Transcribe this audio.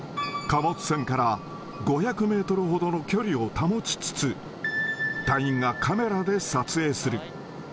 貨物船から５００メートルほどの距離を保ちつつ、隊員がカメラで撮影する。